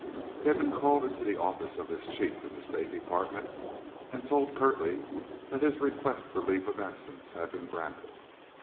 He had been called into the office of his chief in the State Department and told curtly that his request for leave of absence had been granted.